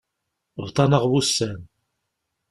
Bḍan-aɣ wussan.